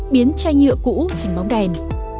biến chai nhựa cũ thành bóng đèn